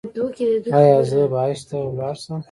ایا زه به حج ته لاړ شم؟